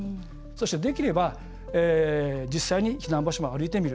そしてできれば実際に避難場所まで歩く。